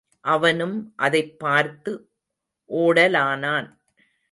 அவனும் அதைப் பார்த்து ஓடலானான்.